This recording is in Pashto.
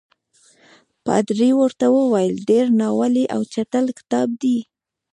پادري ورته وویل ډېر ناولی او چټل کتاب دی.